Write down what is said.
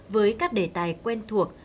với các đề tài quen thuộc